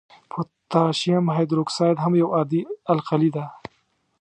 پوتاشیم هایدروکساید هم یو عادي القلي ده.